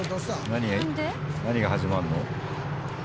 何が始まるの？